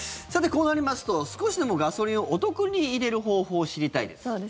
少しでもガソリンをお得に入れる方法を知りたいです。